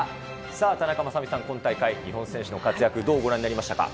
さあ、田中雅美さん、今大会、日本選手の活躍、どうご覧になりましたか？